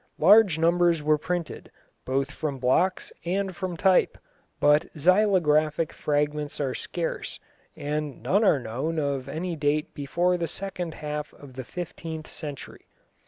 Large numbers were printed both from blocks and from type, but xylographic fragments are scarce, and none are known of any date before the second half of the fifteenth century.